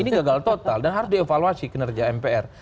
ini gagal total dan harus dievaluasi kinerja mpr